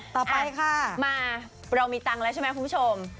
ต่อไปค่ะมาเรามีตังค์แล้วใช่ไหมคุณผู้ชม